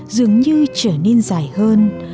dường như trở nên dài hơn